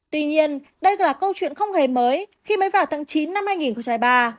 tuy nhiên đây là câu chuyện không hề mới khi mới vào tháng chín năm hai nghìn ba